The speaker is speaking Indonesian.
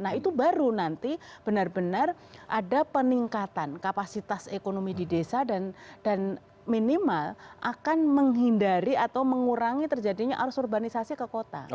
nah itu baru nanti benar benar ada peningkatan kapasitas ekonomi di desa dan minimal akan menghindari atau mengurangi terjadinya arus urbanisasi ke kota